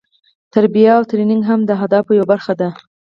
تربیه او ټریننګ هم د اهدافو یوه برخه ده.